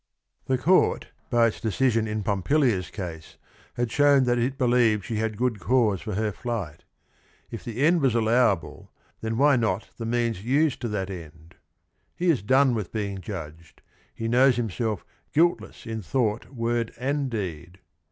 The court by its decision in Pompilia's case had shown that it believed she had good cause for her flight; if the end was allowable then why not the means used to that end. He is done with being judged; he knows himself "guiltless in thought, word, and deed."